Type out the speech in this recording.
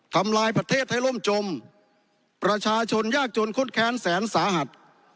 ทำลายประเทศให้ล่มจมประชาชนยากจนคดแค้นแสนสาหัส